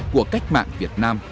của cách mạng việt nam